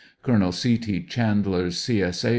Colonel C. T. Chandler's C. S. A.